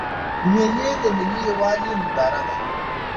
مېلې د ملي یوالي ننداره ده.